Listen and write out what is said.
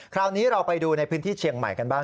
คราวนี้เราไปดูในพื้นที่เชียงใหม่กันบ้าง